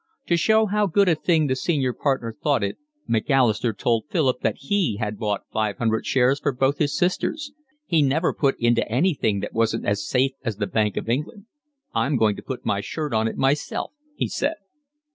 To show how good a thing the senior partner thought it Macalister told Philip that he had bought five hundred shares for both his sisters: he never put them into anything that wasn't as safe as the Bank of England. "I'm going to put my shirt on it myself," he said.